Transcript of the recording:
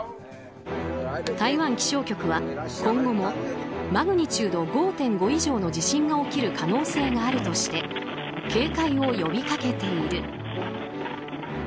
台湾気象局は今後もマグニチュード５．５以上の地震が起きる可能性があるとして警戒を呼びかけている。